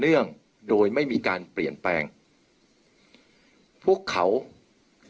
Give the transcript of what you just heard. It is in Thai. เพื่อยุดยั้งการสืบทอดอำนาจของขอสอชอต่อและยังพร้อมจะเป็นนายกรัฐมนตรี